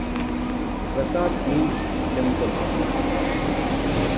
Prasat means "temple".